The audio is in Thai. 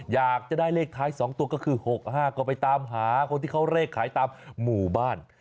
อยากจะได้เลขท้าย๒ตัวก็คือ๖๕ก็ไปตามหาคนที่เขาเลขขายตามหมู่บ้าน